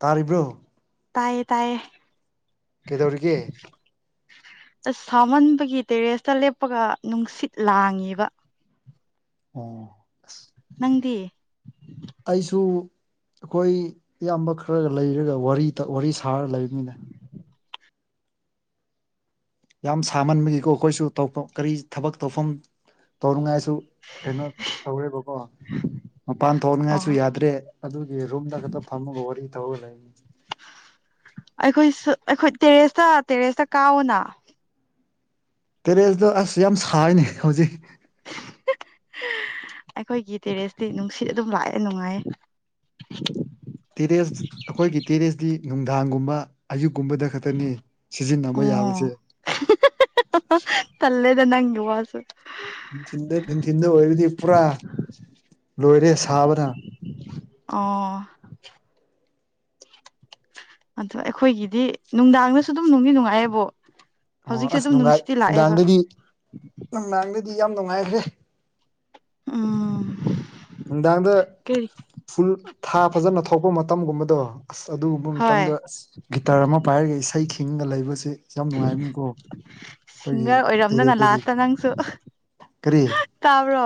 ꯇꯥꯔꯤꯕ꯭ꯔꯣ ꯇꯥꯏꯌꯦ ꯇꯥꯏꯌꯦ ꯀꯩꯗꯧꯔꯤꯒꯦ ꯑꯁ ꯁꯥꯎꯃꯟꯕꯒꯤ ꯇꯦꯔꯦꯁꯇ ꯂꯦꯞꯄꯒ ꯅꯨꯡꯁꯤꯠ ꯂꯥꯡꯉꯤꯕ ꯑꯣ ꯅꯪꯗꯤ ꯑꯩꯁꯨ ꯑꯩꯈꯣꯏ ꯏꯌꯥꯝꯕ ꯈꯔ ꯂꯩꯔꯒ ꯋꯥꯔꯤ ꯇꯧ ꯋꯥꯔꯤ ꯁꯥꯔ ꯂꯩꯕꯅꯤꯗ ꯌꯥꯝ ꯁꯥꯃꯟꯕꯒꯤꯀꯣ ꯑꯩꯈꯣꯏꯁꯨ ꯇꯧꯐꯝ ꯀꯔꯤ ꯊꯕꯛ ꯇꯧꯐꯝ ꯇꯧꯅꯤꯡꯉꯥꯏꯁꯨ ꯀꯩꯅꯣ ꯇꯧꯋꯦꯕꯀꯣ ꯃꯄꯥꯟ ꯑꯣ ꯊꯣꯛꯅꯉꯥꯏꯁꯨ ꯌꯥꯗ꯭ꯔꯦ ꯑꯗꯨꯒꯤ ꯔꯨꯝꯗ ꯈꯛꯇ ꯐꯝꯃꯒ ꯋꯥꯔꯤ ꯇꯧꯔꯒ ꯂꯩꯅꯤ ꯑꯩꯈꯣꯏꯁꯨ ꯑꯩꯈꯣꯏ ꯇꯦꯔꯦꯁꯇ ꯇꯦꯔꯦꯁꯇ ꯀꯥꯎꯋꯣꯅ ꯇꯦꯔꯦꯖꯇꯣ ꯑꯁ ꯌꯥꯝ ꯁꯥꯏꯅꯤ ꯍꯧꯖꯤꯛ ꯑꯩꯈꯣꯏꯒꯤ ꯇꯤꯔꯦꯁꯇꯤ ꯅꯨꯡꯁꯤꯠ ꯑꯗꯨꯝ ꯂꯥꯛꯑꯦ ꯅꯨꯡꯉꯥꯏꯌꯦ ꯇꯤꯔꯦꯁ ꯑꯩꯈꯣꯏꯒꯤ ꯇꯤꯔꯦꯁꯇꯤ ꯅꯨꯡꯗꯥꯡꯒꯨꯝꯕ ꯑꯌꯨꯛꯀꯨꯝꯕꯗ ꯈꯠ ꯇꯅꯤ ꯁꯤꯖꯤꯟꯅꯕ ꯌꯥꯕꯖꯦ ꯑꯣ ꯇꯜꯂꯦꯗ ꯅꯪꯒꯤ ꯋꯥꯁꯨ ꯅꯨꯡꯊꯤꯟꯗ ꯅꯨꯡꯊꯤꯟꯗ ꯑꯣꯏꯔꯗꯤ ꯄꯨꯔꯥ ꯂꯣꯏꯔꯦ ꯁꯥꯕꯅ ꯑꯣ ꯑꯗꯣ ꯑꯩꯈꯣꯏꯒꯤꯗꯤ ꯅꯨꯡꯗꯥꯡꯗꯁꯨ ꯑꯗꯨꯝ ꯅꯨꯡꯗꯤ ꯅꯨꯡꯉꯥꯏꯌꯦꯕꯣ ꯑꯣ ꯍꯧꯖꯤꯛꯁꯨ ꯑꯁ ꯑꯗꯨꯝ ꯅꯨꯡꯉꯥꯏ ꯅꯨꯡꯁꯤꯠꯇꯤ ꯂꯥꯛꯑꯦꯕ ꯅꯨꯡꯗꯥꯡꯗꯗꯤ ꯅꯨꯡꯗꯥꯡꯗꯗꯤ ꯌꯥꯝ ꯅꯨꯡꯉꯥꯏꯈ꯭ꯔꯦ ꯎꯝ ꯅꯨꯡꯗꯥꯡꯗ ꯀꯔꯤ ꯐꯨꯜ ꯊꯥ ꯐꯖꯅ ꯊꯣꯛꯄ ꯃꯇꯝꯒꯨꯝꯕꯗꯣ ꯑꯁ ꯑꯗꯨꯒꯨꯝꯕ ꯍꯣꯏ ꯃꯇꯝꯗ ꯑꯁ ꯒꯤꯇꯥꯔ ꯑꯃ ꯄꯥꯏꯔꯒ ꯏꯁꯩ ꯈꯤꯡꯒ ꯂꯩꯕꯁꯤ ꯁꯤ ꯌꯥꯝ ꯅꯨꯡꯉꯥꯏꯕꯅꯤꯀꯣ ꯑꯩꯈꯣꯏꯒꯤ ꯁꯤꯡꯒꯔ ꯑꯣꯏꯔꯝꯗꯅ ꯇꯤꯔꯦꯠꯇꯗꯤ ꯂꯥꯁꯇ ꯅꯪꯁꯨ ꯀꯔꯤ ꯇꯥꯕ꯭ꯔꯣ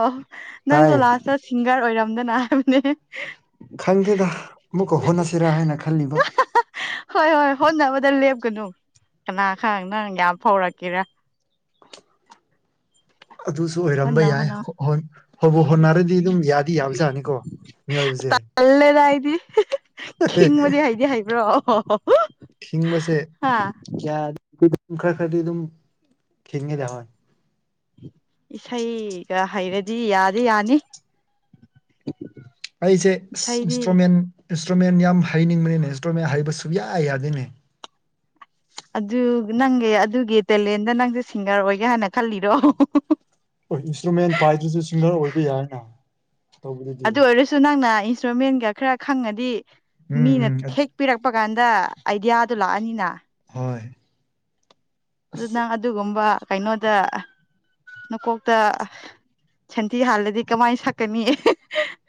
ꯅꯪꯁꯨ ꯇꯥꯏ ꯂꯥꯁꯇ ꯁꯤꯡꯒꯔ ꯑꯣꯏꯔꯝꯗꯅ ꯍꯥꯏꯕꯅꯦ ꯈꯪꯗꯦꯗ ꯑꯃꯨꯛꯀ ꯍꯣꯠꯅꯁꯤꯔꯥ ꯍꯥꯏꯅ ꯈꯜꯂꯤꯕ ꯍꯣꯏ ꯍꯣꯏ ꯍꯣꯠꯅꯕꯗ ꯂꯦꯞꯀꯅꯨ ꯀꯅꯥ ꯈꯛ ꯅꯪ ꯌꯥꯝ ꯐꯥꯎꯔꯛꯀꯦꯔꯥ ꯑꯗꯨꯁꯨ ꯑꯣꯏꯔꯝꯕ ꯍꯣꯠꯅꯧ ꯌꯥꯏ ꯍꯣꯠꯅꯧ ꯍꯣ ꯍꯣ ꯍꯣꯠꯕꯨ ꯍꯣꯠꯅꯔꯗꯤ ꯑꯗꯨꯝ ꯌꯥ ꯌꯥꯕꯖꯥꯅꯤꯀꯣ ꯃꯤꯑꯣꯏꯕꯁꯦ ꯇꯜꯂꯦꯗ ꯑꯩꯗꯤ ꯈꯤꯡꯕꯗꯤ ꯍꯩꯗꯤ ꯍꯥꯏꯕ꯭ꯔꯣ ꯑꯣ ꯊꯤꯡꯕꯁꯦ ꯀꯌꯥ ꯈꯔ ꯈꯔꯗꯤ ꯑꯗꯨꯝ ꯊꯤꯡꯉꯦꯗ ꯍꯣꯏ ꯏꯁꯩꯒ ꯍꯩꯔꯗꯤ ꯌꯥꯗꯤ ꯌꯥꯅꯤ ꯑꯩꯁꯦ ꯏꯁꯩꯗꯤ ꯏꯟꯁꯇ꯭ꯔꯨꯃꯦꯟ ꯏꯟꯁꯇ꯭ꯔꯨꯃꯦꯟ ꯌꯥꯝ ꯍꯩꯅꯤꯡꯕꯅꯤꯅꯦ ꯏꯟꯁꯇ꯭ꯔꯨꯃꯦꯟ ꯍꯩꯕ ꯁꯨꯡꯌꯥ ꯌꯥꯗꯦꯅꯦ ꯑꯗꯨ ꯅꯪꯒꯤ ꯑꯗꯨꯒꯤ ꯇꯦꯂꯦꯟꯗ ꯅꯪꯁꯦ ꯁꯤꯡꯒꯔ ꯑꯣꯏꯒꯦ ꯍꯥꯏꯅ ꯈꯜꯂꯤꯔꯣ ꯑꯣꯏ ꯏꯟꯁꯇ꯭ꯔꯨꯃꯦꯟ ꯄꯥꯏꯗ꯭ꯔꯁꯨ ꯁꯤꯡꯒꯔ ꯑꯣꯏꯕ ꯌꯥꯏꯅ ꯇꯧꯕꯗꯨꯗꯤ ꯑꯗꯨ ꯑꯣꯏꯔꯁꯨ ꯅꯪꯅ ꯏꯟꯁꯇ꯭ꯔꯨꯃꯦꯟꯒ ꯈꯔ ꯈꯪꯉꯗꯤ ꯎꯝ ꯃꯤꯅ ꯎꯝ ꯍꯦꯛ ꯄꯤꯔꯛꯄ ꯀꯥꯟꯗ ꯑꯥꯏꯗꯤꯌꯥꯗꯨ ꯂꯥꯛꯑꯅꯤꯅ ꯍꯣꯏ ꯑꯗꯨ ꯅꯪ ꯑꯗꯨꯒꯨꯝꯕ ꯀꯩꯅꯣꯗ ꯅꯀꯣꯛꯇ ꯁꯟꯊꯤ ꯍꯥꯟꯂꯗꯤ ꯀꯃꯥꯏ ꯁꯛꯀꯅꯤ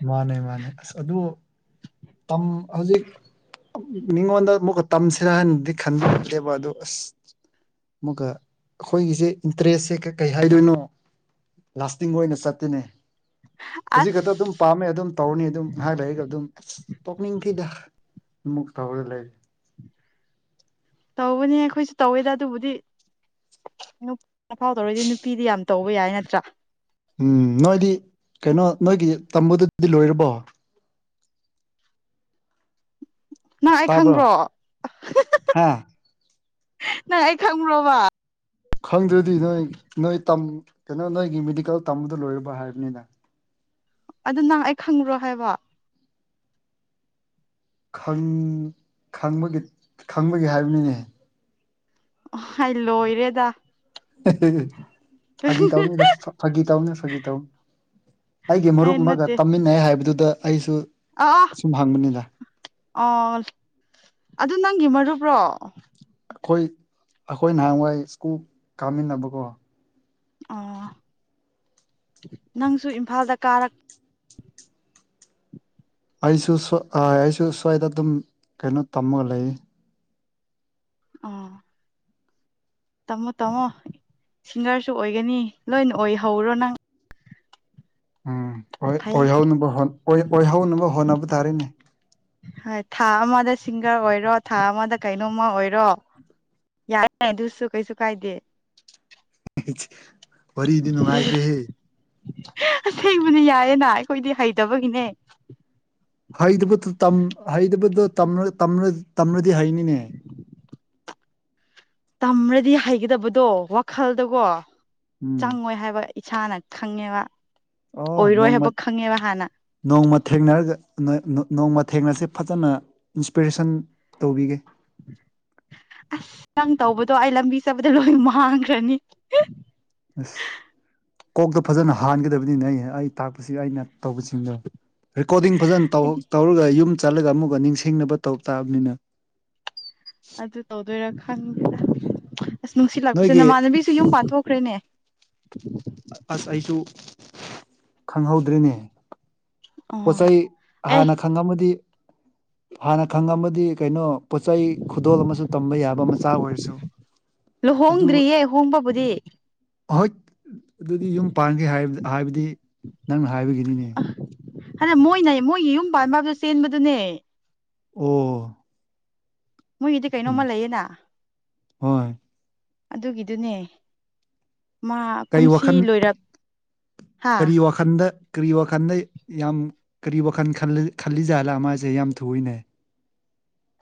ꯃꯥꯅꯦ ꯃꯥꯅꯦ ꯑꯁ ꯑꯗꯨ ꯇꯝ ꯍꯧꯖꯤꯛ ꯃꯤꯉꯣꯟꯗ ꯑꯃꯨꯛꯀ ꯇꯝꯁꯤꯔꯥ ꯍꯥꯏꯅꯗꯤ ꯈꯟꯕ ꯈꯂꯦꯕ ꯑꯗꯨ ꯑꯁ ꯑꯃꯨꯛꯀ ꯑꯩꯈꯣꯏꯒꯤꯁꯦ ꯏꯟꯇꯔꯦꯁꯁꯦ ꯀꯩ ꯍꯥꯏꯗꯣꯏꯅꯣ ꯂꯥꯁꯇꯤꯡ ꯑꯣꯏꯅ ꯆꯠꯇꯦꯅꯦ ꯍꯧꯖꯤꯛ ꯑꯁ ꯈꯛꯇ ꯑꯗꯨꯝ ꯄꯥꯝꯃꯦ ꯑꯗꯨꯝ ꯇꯧꯔꯅꯤ ꯑꯗꯨꯝ ꯍꯥꯏꯔ ꯂꯩꯒ ꯑꯗꯨꯝ ꯑꯁ ꯇꯣꯛꯅꯤꯡꯈꯤꯗ ꯑꯃꯨꯛ ꯇꯧꯔꯒ ꯂꯩꯔꯤ ꯇꯧꯕꯅꯦ ꯑꯩꯈꯣꯏꯁꯨ ꯇꯧꯋꯦꯗ ꯑꯗꯨꯕꯨꯗꯤ ꯅꯨꯞ ꯅꯨꯄꯥ ꯇꯧꯔꯗꯤ ꯅꯨꯄꯤꯗꯤ ꯌꯥꯝ ꯇꯧꯕ ꯌꯥꯏ ꯅꯠꯇ꯭ꯔꯥ ꯎꯝ ꯅꯣꯏꯗꯤ ꯀꯩꯅꯣ ꯅꯣꯏꯒꯤ ꯇꯝꯕꯗꯨꯗꯤ ꯂꯣꯏꯔꯕꯣ ꯅꯪ ꯑꯩ ꯇꯥꯕ꯭ꯔꯣ ꯈꯪꯕ꯭ꯔꯣ ꯍꯥ ꯅꯪ ꯑꯩ ꯈꯪꯕ꯭ꯔꯣꯕ ꯈꯪꯗ꯭ꯔꯗꯤ ꯅꯣꯏ ꯅꯣꯏ ꯇꯝ ꯀꯩꯅꫭ ꯅꯣꯏꯒꯤ ꯃꯦꯗꯤꯀꯦꯜ ꯇꯝꯕꯗ ꯂꯣꯏꯔꯕ ꯍꯥꯏꯕꯅꯤꯅ ꯑꯗꯨ ꯅꯪ ꯑꯩ ꯈꯪꯕ꯭ꯔꯣ ꯍꯥꯏꯕ ꯈꯪ ꯈꯪꯕꯒꯤ ꯈꯪꯕꯒꯤ ꯍꯥꯏꯕꯅꯤꯅꯦ ꯍꯥꯏ ꯂꯣꯏꯔꯦꯗ ꯐꯥꯒꯤ ꯇꯧꯅꯤꯗ ꯐꯥꯒꯤ ꯇꯧꯅꯤ ꯐꯒꯤ ꯇꯧ ꯑꯩꯒꯤ ꯑꯩ ꯃꯔꯨꯞ ꯑꯃꯒ ꯇꯝꯃꯤꯟꯅꯩ ꯍꯥꯏꯕꯗꯨꯗ ꯑꯩꯁꯨ ꯑ ꯑꯣ ꯑꯁꯨꯝ ꯍꯪꯕꯅꯤꯗ ꯑ ꯑꯗꯨ ꯅꯪꯒꯤ ꯃꯔꯨꯄ꯭ꯔꯣ ꯑꯩꯈꯣꯏ ꯑꯩꯈꯣꯏ ꯅꯍꯥꯟꯋꯥꯏ ꯁ꯭ꯀꯨꯜ ꯀꯥꯃꯤꯟꯅꯕꯀꯣ ꯑꯣ ꯅꯪꯁꯨ ꯏꯝꯐꯥꯜꯗ ꯀꯥꯔꯛ ꯑꯩꯁꯨ ꯁꯣ ꯑꯩꯁꯨ ꯁꯨ꯭ꯋꯥꯏꯗ ꯑꯗꯨꯝ ꯀꯩꯅꯣ ꯇꯝꯃꯒ ꯂꯩ ꯑꯥ ꯇꯝꯃꯣ ꯇꯥꯝꯃꯣ ꯁꯤꯡꯒꯔꯁꯨ ꯑꯣꯏꯒꯅꯤ ꯂꯣꯏꯅ ꯑꯣꯏꯍꯧꯔꯣ ꯅꯪ ꯎꯝ ꯑꫭꯏ ꯐꯩ ꯑꯣꯏꯍꯧꯅꯕ ꯍꯣꯠ ꯑꯣꯏ ꯑꯣꯏꯍꯧꯅꯕ ꯍꯣꯠꯅꯕ ꯇꯥꯔꯦꯅꯦ ꯍꯣꯏ ꯊꯥ ꯑꯃꯗ ꯁꯤꯡꯒꯔ ꯑꯣꯏꯔꯣ ꯊꯥ ꯑꯃꯗ ꯀꯩꯅꯣꯝꯃ ꯑꯣꯏꯔꯣ ꯌꯥꯏ ꯑꯗꯨꯁꯨ ꯀꯩꯁꯨ ꯀꯥꯏꯗꯦ ꯋꯥꯔꯤꯗꯤ ꯅꯨꯉꯥꯏꯈ꯭‌ꯔꯦꯍ‌ꯦ ꯑꯁꯦꯡꯕꯅꯤ ꯌꯥꯏꯌꯦꯅ ꯑꯩꯈꯣꯏꯗꯤ ꯍꯩꯇꯕꯒꯤꯅꯦ ꯍꯩꯗꯕꯗꯨ ꯇꯝ ꯍꯩꯗꯕꯗꯣ ꯇꯥꯝꯔ ꯇꯝꯔꯥ ꯇꯝꯂꯗꯤ ꯍꯩꯅꯤꯅꯦ ꯇꯝꯔꯗꯤ ꯍꯩꯒꯗꯕꯗꯣ ꯋꯥꯈꯜꯗꯒꯣ ꯎꯝ ꯆꯪꯉꯣꯏ ꯍꯥꯏꯕ ꯏꯁꯥꯅ ꯈꯪꯉꯦꯕ ꯑꫭ ꯑꯣꯏꯔꯣꯏ ꯅꯣꯡꯃ ꯍꯥꯏꯕ ꯈꯪꯉꯦꯕ ꯍꯥꯟꯅ ꯅꯣꯡꯃ ꯊꯦꯡꯅꯔꯒ ꯅꯣꯏ ꯅꯣ ꯅꯣꯡꯃ ꯊꯦꯡꯅꯁꯦ ꯐꯖꯅ ꯏꯟꯁꯄꯤꯔꯦꯁꯟ ꯇꯧꯕꯤꯒꯦ ꯑꯁ ꯅꯪ ꯇꯧꯕꯗꯣ ꯑꯩ ꯂꯝꯕꯤ ꯆꯠꯄꯗ ꯂꯣꯏ ꯃꯥꯡꯈ꯭ꯔꯅꯤ ꯑꯁ ꯀꯣꯛꯇ ꯐꯖꯅ ꯍꯥꯟꯒꯗꯕꯅꯤꯅꯦ ꯑꯩ ꯑꯩ ꯇꯥꯛꯄꯁꯤ ꯑꯩꯅ ꯇꯧꯕꯁꯤꯡꯗꯣ ꯔꯦꯀꯣꯔꯗꯤꯡ ꯐꯖꯅ ꯇꯧ ꯑꯩꯗꯤ ꯇꯧꯔꯒ ꯌꯨꯝ ꯆꯠꯂꯒ ꯑꯃꯨꯛꯀ ꯅꯤꯡꯁꯤꯡꯅꯕ ꯇꯧ ꯇꯥꯕꯅꯤꯅ ꯑꯗꯨ ꯇꯧꯗꯣꯏꯔꯥ ꯈꯪꯗꯦꯗꯥ ꯑꯁ ꯅꯨꯡꯁꯤꯠꯂꯥꯛꯄꯁꯦ ꯅꯣꯏꯒꯤ ꯅꯃꯥꯟꯅꯕꯤꯁꯨ ꯌꯨꯝ ꯄꯥꯟꯊꯣꯛꯈ꯭ꯔꯦꯅꯦ ꯑꯁ ꯑꯩꯁꯨ ꯈꯪꯍꯧꯗ꯭ꯔꯦꯅꯦ ꯄꯣꯠ ꯑꯣ ꯆꯩ ꯑꯦ ꯍꯥꯟꯅ ꯈꯪꯉꯝꯃꯗꯤ ꯍꯥꯟꯅ ꯈꯪꯉꯝꯃꯗꯤ ꯀꯩꯅꯣ ꯄꯣꯠꯆꯩ ꯈꯨꯗꯣꯜ ꯑꯃꯁꯨ ꯇꯝꯕ ꯌꯥꯕ ꯃꯆꯥ ꯑꯣꯏꯔꯁꯨ ꯂꯨꯍꯣꯡꯗ꯭ꯔꯤꯌꯦ ꯍꯣꯡꯕꯕꯨꯗꯤ ꯑꯥꯍꯣꯏꯠ ꯑꯗꯨꯗꯤ ꯌꯨꯝ ꯄꯥꯟꯒꯦ ꯍꯥꯏ ꯍꯥꯏꯕꯗꯤ ꯅꯪꯅ ꯍꯥꯏꯕꯒꯤꯅꯤꯅꯦ [unintelligible] ꯃꯣꯏꯅ ꯃꯣꯏꯒꯤ ꯌꯨꯝ ꯄꯥꯟꯕ ꯍꯥꯏꯕꯗꯨ ꯆꯦꯟꯕꯗꯨꯅꯦ ꯑꯣ ꯃꯣꯏꯒꯤꯗꯤ ꯀꯩꯅꯣꯝꯃ ꯂꯩꯌꯦꯅ ꯍꯣꯏ ꯑꯗꯨꯒꯤꯗꯨꯅꯦ ꯃꯥ ꯀꯩ ꯀꯨꯝꯁꯤ ꯋꯥꯈꯜ ꯂꯣꯏꯔꯞ ꯍꯥ ꯈꯟꯗꯦ ꯀꯔꯤ ꯋꯥꯈꯟꯗꯩ ꯌꯥꯝ ꯀꯔꯤ ꯋꯥꯈꯟ ꯈꯜ ꯈꯜꯂꯤꯖꯥꯠꯂꯥ ꯃꯥꯁꯦ ꯌꯥꯝ ꯊꯨꯏꯅꯦ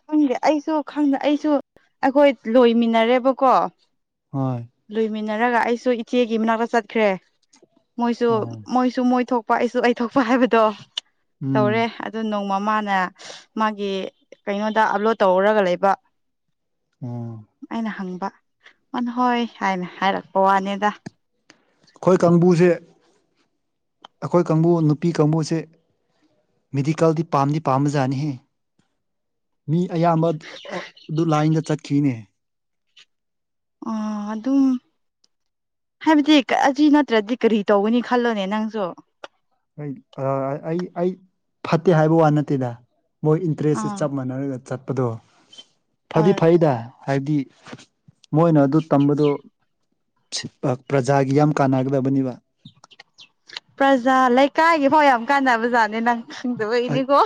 ꯈꯪꯗꯦ ꯑꯩꯁꯨ ꯈꯪꯗꯦ ꯑꯩꯁꯨ ꯑꯩꯈꯣꯏ ꯂꯣꯏꯃꯤꯟꯅꯔꯦꯕꯀꯣ ꯍꯣꯏ ꯂꯣꯏꯃꯤꯟꯅꯔꯒ ꯑꯩꯁꯨ ꯏꯆꯦꯒꯤ ꯃꯅꯥꯛꯇ ꯆꯠꯈ꯭ꯔꯦ ꯃꯣꯏꯁꯨ ꯑꯣ ꯃꯣꯏꯁꯨ ꯃꯣꯏ ꯊꯣꯛ ꯄ ꯑꯩꯁꯨ ꯑꯩ ꯊꯣꯛꯄ ꯍꯥꯏꯕꯗꯣ ꯎꯝ ꯇꯧꯔꯦ ꯑꯗꯨ ꯅꯣꯡꯃ ꯃꯥꯥꯅ ꯃꯥꯒꯤ ꯀꯩꯅꯣꯗ ꯑꯞꯂꯣꯠ ꯇꯧꯔꯒ ꯂꯩꯕ ꯑꯣ ꯑꯩꯅ ꯍꯪꯕ ꯃꯥꯅ ꯍꯣꯏ ꯍꯥꯏꯅ ꯍꯥꯏꯔꯛꯄ ꯋꯥꯅꯦꯗ ꯑꯩꯈꯣꯏ ꯀꯥꯡꯕꯨꯁꯦ ꯑꯩꯈꯣꯏ ꯀꯥꯡꯕꯨ ꯅꯨꯄꯤ ꯀꯥꯡꯕꯨꯁꯦ ꯃꯦꯗꯤꯀꯦꯜꯗꯤ ꯄꯥꯝꯗꯤ ꯄꯥꯝꯕ ꯖꯥꯅꯤꯍꯦ ꯃꯤ ꯑꯌꯥꯝꯕ ꯑꯥ ꯑꯗꯨ ꯂꯥꯏꯟꯗ ꯆꯠꯈꯤꯅꯦ ꯑ ꯑꯗꯨꯝ ꯍꯥꯏꯕꯗꯤ ꯑꯁꯤ ꯅꯠꯇ꯭ꯔꯗꯤ ꯀꯔꯤ ꯇꯧꯒꯅꯤ ꯈꯜꯂꯣꯅꯦ ꯅꯪꯁꯨ ꯑꯩ ꯑꯥ ꯑꯩ ꯑꯩ ꯐꯠꯇꯦ ꯍꯥꯏꯕ ꯋꯥ ꯅꯠꯇꯦꯗ ꯃꯣꯏ ꯏꯟꯇꯔꯦꯁꯁꯦ ꯑꯥ ꯆꯞ ꯃꯥꯟꯅꯔꯒ ꯆꯠꯄꯗꯣ ꯐꯗꯤ ꯍꯣꯏ ꯐꯩꯗꯥ ꯍꯥꯏꯕꯗꯤ ꯃꯣꯏꯅ ꯑꯗꯨ ꯇꯝꯕꯗꯨ ꯄ꯭ꯔꯖꯥꯒꯤ ꯌꯥꯝ ꯀꯥꯟꯅꯒꯗꯕꯅꯤꯕ ꯄ꯭ꯔꯖꯥ ꯂꯩꯀꯥꯏꯒꯤ ꯐꯥꯎ ꯌꯥꯝ ꯀꯥꯟꯅꯕ ꯖꯥꯠꯅꯦ ꯅꯪ ꯈꯪꯗꯕꯒꯤꯅꯦꯀꯣ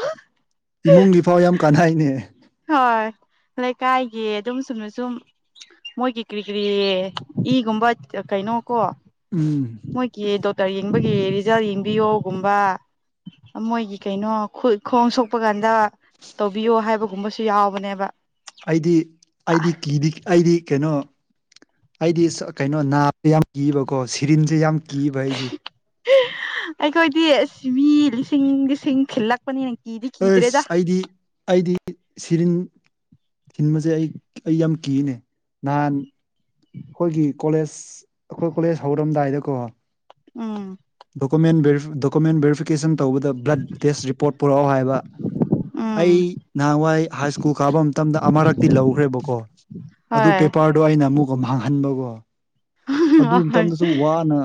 ꯍꯥꯢ ꯌꯥꯝ ꯀꯥꯟꯍꯥꯏꯅꯦ ꯍꯣꯏ ꯂꯩꯀꯥꯏꯒꯤ ꯑꯗꯨꯝ ꯆꯨꯝꯅ ꯁꯨꯝ ꯃꯣꯏꯒꯤ ꯀ꯭ꯔꯤ ꯀ꯭ꯔꯤ ꯏꯒꯨꯝꯕ ꯀꯩꯅꯣ ꯀꯣ ꯎꯝ ꯀꯤ ꯗꯣꯛꯇꯔ ꯌꯦꯡꯕꯒꯤ ꯔꯤꯖꯜ ꯌꯦꯡꯕꯤꯌꯣꯒꯨꯝꯕ ꯃꯣꯏꯒꯤ ꯀꯩꯅꯣ ꯈꯨꯠ ꯈꯣꯡ ꯁꯣꯛꯄ ꯀꯥꯟꯗ ꯇꯧꯕꯤꯌꯣ ꯍꯥꯏꯕꯒꯨꯝꯕꯁꯨ ꯌꯥꯎꯕꯅꯦꯕ ꯑꯩꯗꯤ ꯑꯩꯗꯤ ꯀꯤꯗꯤ ꯑꯩꯗꯤ ꯀꯩꯅꯣ ꯑꯩꯗꯤ ꯀꯩꯅꯣ ꯅꯥ ꯌꯥꯝ ꯀꯤꯌꯦꯕꯀꯣ ꯁꯤꯔꯤꯟꯁꯦ ꯌꯥꯝ ꯀꯤꯌꯦꯕ ꯑꯩꯗꯤ ꯑꯩꯈꯣꯏꯗꯤ ꯑꯁ ꯃꯤ ꯂꯤꯁꯤꯡ ꯂꯤꯁꯤꯡ ꯊꯤꯜꯂꯛꯄꯅꯤ ꯑꯩꯁ ꯑꯩꯗꯤ ꯑꯩꯗꯤ ꯁꯤꯔꯤꯟ ꯊꯤꯟꯕꯁꯦ ꯑꯩ ꯑꯩ ꯌꯥꯝ ꯀꯤꯅꯦ ꯅꯍꯥꯟ ꯈꯣꯏꯒꯤ ꯀꯣꯂꯦꯖ ꯑꯩꯈꯣꯏ ꯀꯣꯂꯦꯖ ꯍꯧꯔꯝꯗꯥꯏꯗꯀꯣ ꯎꯝ ꯗꯣꯀꯨꯃꯦꯟ ꯚꯦꯔꯤꯐ ꯗꯣꯀꯨꯃꯦꯟ ꯚꯦꯔꯤꯐꯤꯀꯦꯁꯟ ꯇꯧꯕꯗ ꯕ꯭ꯂꯠ ꯇꯦꯁ ꯔꯤꯄꯣꯔꯠ ꯄꯨꯔꯛꯑꯣ ꯍꯥꯏꯌꯦꯕ ꯑꯩ ꯎꯝ ꯅꯍꯥꯟꯋꯥꯏ ꯍꯥꯏ ꯁ꯭ꯀꯨꯜ ꯀꯥꯕ ꯃꯇꯝꯗ ꯑꯃꯔꯛꯇꯤ ꯂꯧꯈ꯭ꯔꯦꯕꯀꯣ ꯑꯗꯨ ꯍꯣꯏ ꯄꯦꯄꯥꯔꯗꯣ ꯑꯩꯅ ꯑꯃꯨꯛ ꯃꯥꯡꯍꯟꯕꯀꯣ ꯑꯗꯨ ꯍꯣꯏ ꯃꯇꯝꯗꯁꯨ ꯋꯥꯅ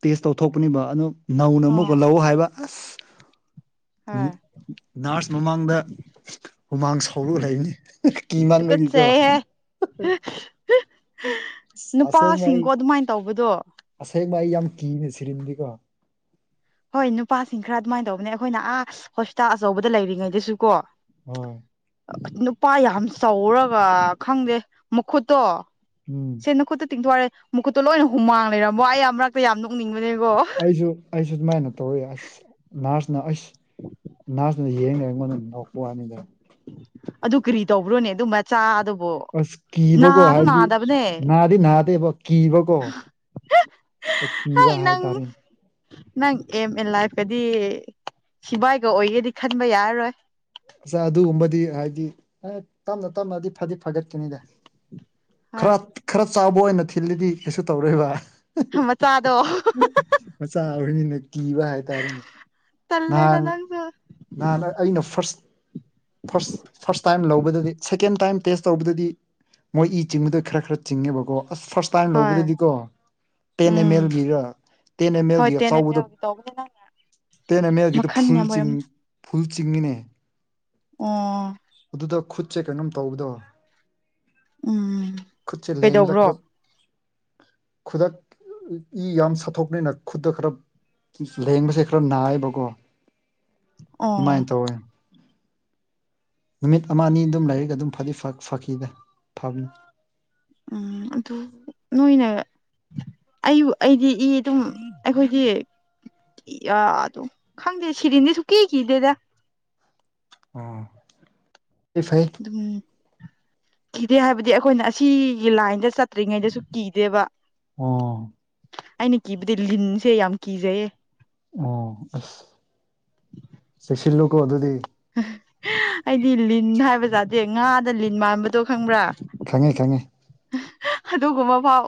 ꯇꯦꯁ ꯇꯧꯊꯣꯛꯄꯅꯦꯕ ꯑꯅꯣ ꯅꯧꯅ ꯑꯃꯨꯛꯀ ꯑꯥ ꯂꯧ ꯍꯥꯏꯕ ꯑꯁ ꯍꯣꯏ ꯅꯥꯔꯁ ꯃꯃꯥꯡꯗ ꯍꯨꯃꯥꯡ ꯁꯥꯎꯔꯒ ꯂꯩꯅꯤ ꯀꯤ ꯃꯥꯟꯕꯒꯤꯀꯣ ꯇꯨꯀꯠꯆꯩꯍꯦ ꯑꯁꯦꯡꯕ ꯑꯩ ꯃꯥꯏꯅ ꯇꯧꯕꯗꯣ ꯑꯁꯦꯡꯕ ꯑꯩ ꯌꯥꯝ ꯀꯤꯅꯦ ꯁꯤꯔꯤꯟꯗꯤꯀꯣ ꯍꯣꯏ ꯅꯨꯄꯥꯁꯤꯡ ꯈꯔ ꯑꯗꯨꯃꯥꯏꯅ ꯇꯧꯕꯅꯦ ꯑꯩꯈꯣꯏꯅ ꯑꯥ ꯍꯣꯁꯄꯤꯇꯥꯜ ꯑꯆꯧꯕꯗ ꯂꯩꯔꯤꯉꯩꯗꯁꯨ ꯀꯣ ꯑꯣꯏ ꯅꯨꯄꯥ ꯌꯥꯝ ꯆꯧꯔꯒ ꯈꯪꯗꯦ ꯃꯈꯨꯠꯇꯣ ꯎꯝ ꯁꯦ ꯅꯈꯨꯠꯇꯣ ꯇꯤꯡꯊꯣꯔꯛꯑꯦ ꯃꯈꯨꯠꯇꯣ ꯂꯣꯏꯅ ꯍꯨꯃꯥꯡ ꯂꯩꯔꯝꯃꯣ ꯑꯩ ꯃꯔꯛꯇ ꯌꯥꯝ ꯅꯣꯛꯅꯤꯡꯕꯅꯦꯀꯣ ꯑꯩꯁꯨ ꯑꯩꯁꯨ ꯑꯗꯨꯃꯥꯏꯅ ꯇꯧꯔꯛꯏ ꯑꯁ ꯅꯥꯔꯁꯅ ꯑꯩꯁ ꯅꯥꯔꯁꯅ ꯌꯦꯡꯂꯩꯔ ꯑꯩꯉꯣꯟꯗ ꯑꯣꯏ ꯅꯣꯛꯄ ꯋꯥꯅꯤꯗ ꯑꯗꯨ ꯀꯔꯤ ꯇꯧꯕ꯭ꯔꯣꯅꯦ ꯑꯗꯨ ꯃꯆꯥ ꯑꯗꯨꯕꯣ ꯑꯁ ꯅꯥꯁꯨ ꯅꯥꯗꯕꯅꯦ ꯗꯤ ꯅꯥꯗꯦꯕꯣ ꯀꯤꯕ ꯀꯣ ꯀꯤꯕ ꯍꯥꯏ ꯅꯪ ꯍꯥꯏꯇꯥꯔꯦꯅꯦ ꯅꯪ ꯑꯦꯝ ꯑꯦꯟ ꯂꯥꯏꯐꯀꯗꯤ ꯁꯤꯕꯥꯏꯒ ꯑꯣꯏꯒꯦꯗꯤ ꯈꯟꯕ ꯌꯥꯔꯔꯣꯏ ꯑꯁ ꯑꯗꯨꯒꯨꯝꯕꯗꯤ ꯍꯥꯏꯗꯤ ꯑꯦ ꯇꯞꯅ ꯇꯞꯅꯗꯤ ꯐꯗꯤ ꯐꯒꯠꯀꯅꯤꯗ ꯈꯔ ꯍꯣꯏ ꯈꯔ ꯆꯥꯎꯕ ꯑꯣꯏꯅ ꯊꯤꯜꯂꯤꯗꯤ ꯀꯩꯁꯨ ꯇꯧꯔꯣꯏꯕ ꯃꯆꯥꯗꯣ ꯃꯆꯥ ꯑꯣꯏꯣꯏꯅꯤꯅ ꯀꯤꯕ ꯍꯥꯏꯇꯥꯔꯦꯅꯦ꯫ ꯇꯜꯂꯦꯗ ꯅꯍꯥꯟ ꯅꯪꯁꯨ ꯅꯍꯥꯟ ꯑꯩꯅ ꯐꯥꯔꯁ ꯐꯥꯔꯁ ꯐꯥꯔꯁ ꯇꯥꯏꯝ ꯂꯧꯕꯗꯗꯤ ꯁꯦꯀꯦꯟ ꯇꯥꯏꯝ ꯇꯦꯁ ꯇꯧꯕꯗꯗꯤ꯫ ꯃꯣꯏ ꯏ ꯆꯤꯡꯕꯗꯣ ꯈꯔ ꯈꯔ ꯆꯤꯡꯉꯦꯕꯀꯣ ꯑꯁ ꯐꯥꯔꯁ ꯇꯥꯏꯝ ꯍꯣꯏ ꯂꯧꯕꯗꯗꯤꯀꯣ ꯇꯦꯟ ꯑꯦꯝ ꯎꯝ ꯑꯦꯜꯒꯤꯒ ꯇꯦꯟ ꯑꯦꯝ ꯑꯦꯜꯒꯤ ꯆꯥꯎꯕꯗꯣ꯫ ꯇꯧꯕꯅꯤꯅ ꯇꯦꯟ ꯑꯦꯝ ꯑꯦꯜꯒꯤꯗ ꯐꯨꯜ ꯆꯤꯡ ꯐꯨꯜ ꯆꯤꯡꯉꯤꯅꯦ꯫ ꯑꯣ ꯑꯗꯨꯗ ꯈꯨꯠꯁꯦ ꯀꯩꯅꯣꯝ ꯇꯧꯕꯗꯣ꯫ ꯎꯝ ꯈꯨꯠꯁꯦ ꯂꯦꯡꯕꯗ ꯀꯩꯗꯧꯕ꯭ꯔꯣ ꯈꯔ ꯈꯨꯗꯛ ꯏ ꯌꯥꯝ ꯁꯥꯠꯊꯣꯛꯅꯤꯅ ꯈꯨꯗ ꯈꯔ ꯂꯦꯡꯕꯁꯦ꯫ ꯈꯔ ꯅꯥꯏꯕꯀꯣ ꯑꯣ ꯑꯗꯨꯃꯥꯏꯅ ꯇꯧꯋꯦ꯫ ꯅꯨꯃꯤꯠ ꯑꯃ ꯑꯅꯤ ꯑꯗꯨꯝ ꯂꯥꯏꯔꯒ ꯑꯗꯨꯝ ꯐꯗꯤ ꯐꯈꯤꯗ ꯐꯪꯅꯤ ꯎꯝ ꯑꯗꯨ ꯅꯣꯏꯅ ꯑꯩꯕꯨ ꯑꯩꯗꯤ ꯏ ꯑꯗꯨꯝ ꯑꯩꯈꯣꯏꯗꯤ ꯏ ꯑ ꯑꯗꯨꯝ ꯈꯪꯗꯦ ꯁꯤꯔꯤꯗꯤ ꯁꯨꯀꯤ ꯀꯗꯦꯗ꯫ ꯑꯥ ꯐꯥꯏ ꯑꯗꯨꯝ ꯀꯤꯗꯦ ꯍꯥꯏꯕꯗꯤ ꯑꯩꯈꯣꯏꯅ ꯑꯁꯤꯒꯤ ꯂꯥꯏꯟꯗ ꯆꯠꯇ꯭ꯔꯤꯉꯩꯗꯁꯨ ꯀꯤꯗꯦꯕ ꯑꯣ ꯑꯩꯅ ꯀꯤꯕꯗꯤ ꯂꯤꯟꯁꯦ ꯌꯥꯝ ꯀꯤꯖꯩꯌꯦ ꯑꯣ ꯑꯥꯠ ꯆꯦꯛꯁꯤꯜꯂꯣ ꯑꯗꯨꯗꯤ ꯑꯩꯗꯤ ꯂꯤꯟ ꯍꯥꯏꯕꯖꯥꯗꯦ ꯉꯥꯗ ꯂꯤꯟ ꯃꯥꯟꯕꯗꯣ ꯈꯪꯕ꯭ꯔꯥ ꯈꯪꯉꯦ ꯈꯪꯉꯦ ꯑꯗꯨꯒꯨꯝꯕ ꯐꯥꯎ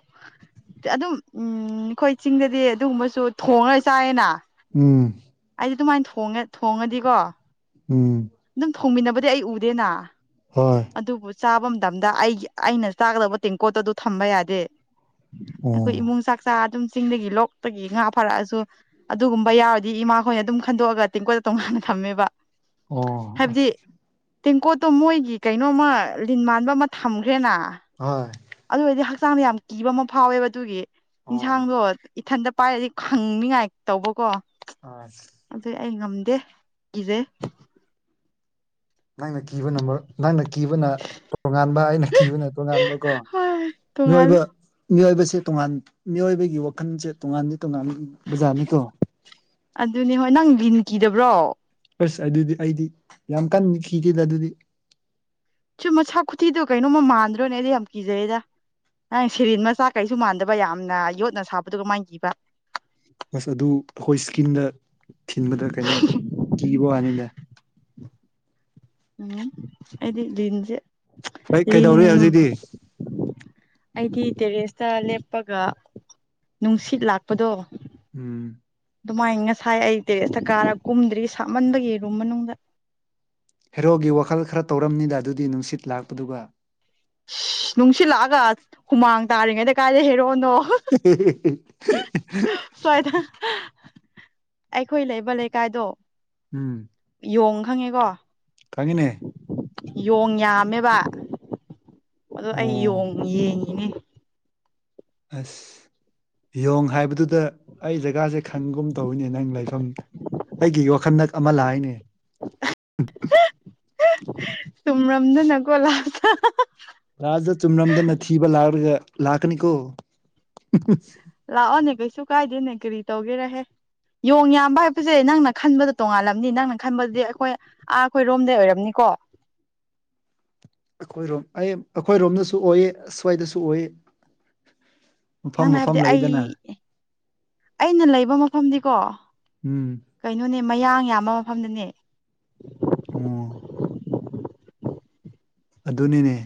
ꯑꯗꯨꯝ ꯎꯝ ꯑꯩꯈꯣꯏ ꯆꯤꯡꯗꯗꯤ ꯑꯗꯨꯒꯨꯝꯕꯁꯨ ꯊꯣꯡꯉꯒ ꯆꯥꯏꯌꯦꯅ ꯎꯝ ꯑꯩꯗꯤ ꯑꯗꯨꯃꯥꯏꯅ ꯊꯣꯡꯉꯦ ꯊꯣꯡꯉꯗꯤꯀꯣ ꯎꯝ ꯑꯗꯨꯝ ꯊꯣꯡꯃꯤꯟꯅꯕꯗꯤ ꯑꯩ ꯎꯗꯦꯅ ꯍꯣꯏ ꯑꯗꯨꯕꯨ ꯆꯥꯕ ꯃꯇꯝꯗ ꯑꯩꯒꯤ ꯑꯩꯅ ꯆꯥꯒꯗꯕ ꯇꯦꯡꯀꯣꯠꯇ ꯑꯗꯨ ꯊꯝꯕ ꯌꯥꯗꯦ ꯑꯩꯈꯣꯏ ꯑꯣ ꯏꯃꯨꯡ ꯆꯥꯛꯆꯥ ꯑꯗꯨꯝ ꯆꯤꯡꯗꯒꯤ ꯂꯣꯛꯇꯒꯤ ꯉꯥ ꯐꯥꯔꯛꯑꯁꯨ ꯑꯗꯨꯒꯨꯝꯕ ꯌꯥꯎꯔꯗꯤ ꯏꯃꯥꯈꯣꯏꯅ ꯑꯗꯨꯝ ꯈꯟꯗꯣꯛꯑꯒ ꯇꯦꯡꯀꯣꯏꯠꯇ ꯇꯣꯡꯉꯥꯟꯅ ꯊꯝꯃꯦꯕ ꯑꯣ ꯍꯥꯏꯕꯗꯤ ꯑꯁ ꯇꯦꯡꯀꯣꯠꯇꯣ ꯃꯣꯏꯒꯤ ꯀꯩꯅꯣꯃ ꯂꯤꯟ ꯃꯥꯟꯕ ꯑꯃ ꯊꯝꯈ꯭ꯔꯦꯅ ꯍꯣꯏ ꯑꯗꯨ ꯑꯣꯏꯔꯗꯤ ꯍꯛꯆꯥꯡꯗ ꯌꯥꯝ ꯀꯤꯕ ꯑꯃ ꯐꯥꯎꯋꯦꯕ ꯑꯗꯨꯒꯤ ꯑꯣ ꯏꯟꯁꯥꯡꯗꯣ ꯏꯊꯟꯗ ꯄꯥꯏꯔꯗꯤ ꯈꯪꯅꯤꯡꯉꯥꯏ ꯇꯧꯕꯀꯣ ꯑꯥ ꯑꯗꯨ ꯑꯩ ꯉꯝꯗꯦ ꯀꯤꯖꯩ ꯅꯪꯅ ꯀꯤꯕ ꯅꯝꯕꯔ ꯅꯪꯅ ꯀꯤꯕꯅ ꯇꯣꯉꯥꯟꯕ ꯑꯩꯅ ꯀꯤꯕꯅ ꯇꯣꯉꯥꯟꯕꯀꯣ ꯍꯣꯏ ꯅꯣꯏꯕ ꯇꯣꯡꯉꯥꯜꯂꯦ ꯃꯤꯑꯣꯏꯕꯁꯦ ꯇꯣꯉꯥꯟ ꯃꯤꯑꯣꯏꯕꯒꯤ ꯋꯥꯈꯜꯁꯦ ꯇꯣꯉꯥꯟꯗꯤ ꯇꯣꯉꯥꯟ ꯕꯖꯥꯔꯅꯤꯀꯣ ꯑꯗꯨꯅꯤ ꯍꯣꯏ ꯅꯪ ꯂꯤꯟ ꯀꯤꯗꯕ꯭ꯔꯣ ꯑꯁ ꯑꯗꯨꯗꯤ ꯑꯩꯗꯤ ꯌꯥꯝ ꯀꯟꯅ ꯀꯈꯤꯗꯦꯗ ꯑꯗꯨꯗꯤ ꯁꯤ ꯃꯁꯥ ꯈꯨꯊꯤꯗꯣ ꯀꯩꯅꯣꯃ ꯃꯥꯟꯗ꯭ꯔꯣꯅꯦ ꯑꯩꯗꯤ ꯌꯥꯝ ꯀꯤꯖꯩꯗ ꯅꯪ ꯁꯤꯔꯤꯟ ꯃꯆꯥ ꯀꯩꯁꯨ ꯃꯥꯟꯗꯕ ꯌꯥꯝꯅ ꯌꯣꯠꯅ ꯁꯥꯕꯗꯨꯒ ꯀꯥꯃꯏ ꯀꯤꯕ [unintelligible] ꯑꯗꯨꯝ ꯑꯩꯈꯣꯏ ꯏꯁ꯭ꯀꯤꯟꯗ ꯊꯤꯟꯕꯗ ꯀꯩꯅꯣ ꯀꯤꯕ ꯋꯥꯅꯤꯗ ꯎꯝ ꯑꯩꯗꯤ ꯂꯟꯖꯦ ꯍꯩ ꯀꯩꯗꯧꯔꯤ ꯍꯧꯖꯤꯛꯗꯤ ꯑꯩꯗꯤ ꯇꯦꯔꯦꯁꯇ ꯂꯦꯞꯄꯒ ꯅꯨꯡꯁꯤꯠ ꯂꯥꯛꯄꯗꯣ ꯎꯝ ꯑꯗꯨꯃꯥꯏꯅ ꯉꯁꯥꯏ ꯑꯩ ꯇꯦꯔꯦꯁꯇ ꯀꯥꯔ ꯀꯨꯝꯗ꯭ꯔꯤ ꯁꯥꯞꯃꯟꯕꯒꯤ ꯔꯨꯝ ꯃꯅꯨꯡꯗ ꯍꯦꯔꯣꯒꯤ ꯋꯥꯈꯜ ꯈꯔ ꯇꯧꯔꯝꯅꯤꯗ ꯑꯗꯨꯗꯤ ꯅꯨꯡꯁꯤꯠ ꯂꯥꯛꯄꯗꯨꯒ ꯅꯨꯡꯁꯤꯜꯂꯛꯑꯒ ꯍꯨꯃꯥꯡ ꯇꯥꯔꯤꯉꯩꯗ ꯀꯥꯏꯗ ꯍꯦꯔꯣꯅꯣ ꯁ꯭ꯋꯥꯏꯗ ꯑꯩꯈꯣꯏ ꯂꯩꯕ ꯂꯩꯀꯥꯏꯗꯣ ꯎꯝ ꯌꯣꯡ ꯈꯪꯉꯦꯀꯣ ꯈꯪꯉꯤꯅꯦ ꯌꯣꯡ ꯌꯥꯝꯃꯦꯕ ꯑꯗꯣ ꯑꯩ ꯑꯣ ꯌꯦꯡ ꯌꯦꯡꯉꯤꯅꯤ ꯑꯁ ꯌꯦꯡ ꯍꯥꯏꯕꯗꯨꯗ ꯑꯩ ꯖꯒꯥꯁꯦ ꯈꯟꯒꯨꯝ ꯇꯧꯔꯤꯅꯦ ꯅꯪ ꯂꯩꯐꯝ ꯑꯩꯒꯤ ꯋꯥꯈꯜꯗꯛ ꯑꯃ ꯂꯥꯛꯏꯅꯦ ꯁꯨꯝꯔꯝꯗꯅꯀꯣꯂꯥꯛ ꯂꯥꯖꯗ ꯆꯨꯝꯅꯝꯗꯅ ꯊꯤꯕ ꯂꯒ ꯂꯥꯛꯀꯅꯤꯀꯣ ꯂꯥꯛꯑꯣꯅꯦ ꯀꯩꯁꯨ ꯀꯥꯏꯗꯦꯅꯦ ꯀꯔꯤ ꯇꯧꯒꯦꯔꯍꯦ ꯌꯣꯡ ꯌꯥꯝꯕ ꯍꯥꯏꯕꯁꯦ ꯅꯪꯅ ꯈꯟꯕꯗ ꯇꯣꯡꯉꯥꯜꯂꯝꯅꯤ ꯅꯪꯅ ꯈꯟꯕꯗꯤ ꯑꯩꯈꯣꯏ ꯑꯥ ꯑꯩꯈꯣꯏꯔꯣꯝꯗꯩ ꯑꯣꯏꯔꯝꯅꯤꯀꯣ ꯑꯩꯈꯣꯏꯔꯣꯝ ꯑꯩ ꯑꯩꯈꯣꯏꯔꯣꯝꯗꯁꯨ ꯑꯣꯏ ꯁꯨꯋꯥꯏꯗꯁꯨ ꯑꯣꯏ ꯃꯐꯝ ꯅꯪꯅ ꯃꯐꯝ ꯍꯥꯏꯕꯗꯤ ꯑꯩ ꯂꯩꯗꯅ ꯑꯩꯅ ꯂꯩꯕ ꯃꯐꯝꯗꯤꯀꯣ ꯎꯝ ꯀꯩꯅꯣꯅꯦ ꯃꯌꯥꯡ ꯌꯥꯝꯕ ꯃꯐꯝꯗꯅꯦ ꯑꯣ ꯑꯗꯨꯅꯤꯅꯦ